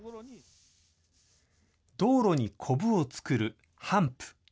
道路にこぶを作るハンプ。